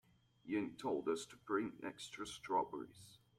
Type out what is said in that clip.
Ying told us to bring extra strawberries.